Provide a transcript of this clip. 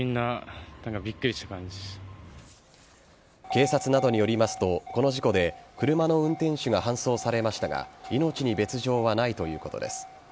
警察などによりますとこの事故で車の運転手が搬送されましたが命に別条はないということです。